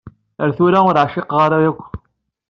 Ar tura ur ɛciqeɣ ara yakk.